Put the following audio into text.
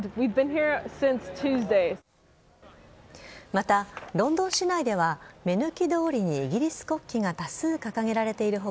また、ロンドン市内では目抜き通りにイギリス国旗が多数掲げられている他